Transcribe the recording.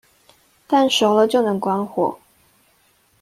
蛋熟了就能關火